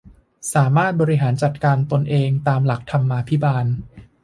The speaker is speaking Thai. สามารถบริหารจัดการตนเองตามหลักธรรมาภิบาล